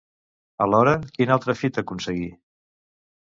Alhora, quin altra fita aconseguí?